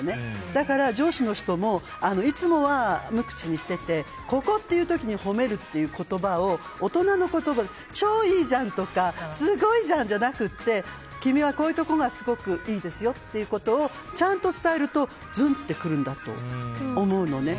だから、上司の人もいつもは無口にしててここという時に褒めるという言葉で超いいじゃんとかすごいじゃんじゃなくて君はこういうところがすごくいいですよっていうことをちゃんと伝えるとずんと来るんだと思うのね。